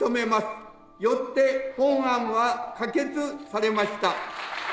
よって本案は可決されました。